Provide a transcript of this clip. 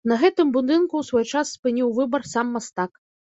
На гэтым будынку ў свой час спыніў выбар сам мастак.